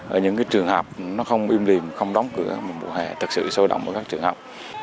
ở những trường học không im liềm không đóng cửa một mùa hè thật sự sôi động của các trường học